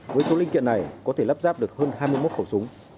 với số linh kiện này có thể lắp ráp được hơn hai mươi một khẩu súng